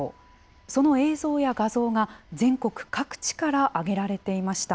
その映像や画像が、全国各地から上げられていました。